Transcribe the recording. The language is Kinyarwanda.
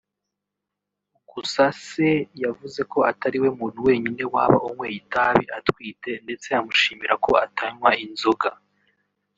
gusa se yavuze ko atari we muntu wenyine waba unyweye itabi atwite ndetse amushimira ko atanywa inzoga